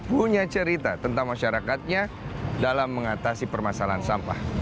punya cerita tentang masyarakatnya dalam mengatasi permasalahan sampah